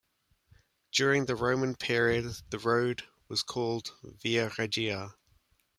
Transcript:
During the Roman period the road was called "Via Regia".